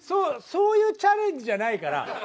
そういうチャレンジじゃないから。